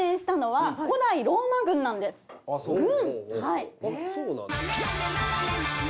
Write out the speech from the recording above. はい。